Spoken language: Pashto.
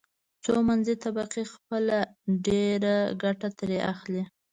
خو منځنۍ طبقه خپله ډېره ګټه ترې اخلي.